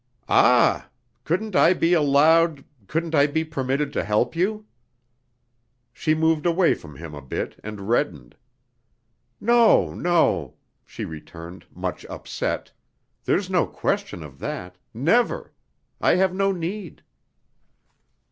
"Ah! couldn't I be allowed, couldn't I be permitted to help you?" She moved away from him a bit and reddened: "No, no," she returned, much upset, "there's no question of that.... Never!... I have no need...."